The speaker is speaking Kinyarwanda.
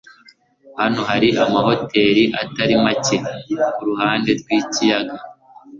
Hano hari amahoteri atari make kuruhande rwikiyaga.